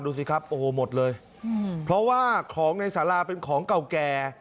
ดูสิครับโอ้โหหมดเลยเพราะว่าของในสาราเป็นของเก่าแก่